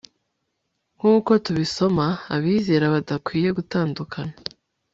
nk'uko tubisoma, abizera badakwiye gutandukana